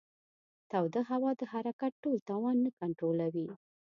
توده هوا د حرکت ټول توان نه کنټرولوي.